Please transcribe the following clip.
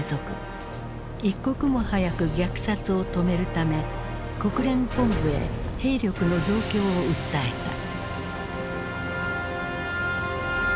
一刻も早く虐殺を止めるため国連本部へ兵力の増強を訴えた。